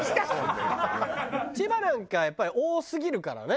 千葉なんかやっぱり多すぎるからね。